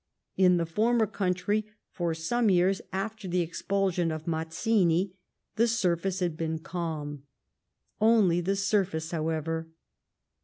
In the former country, for some years after the expulsion of Mazziui, the surface had been calm. Only the surface, however.